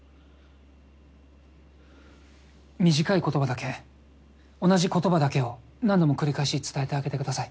短い言葉だけ同じ言葉だけを何度も繰り返し伝えてあげてください。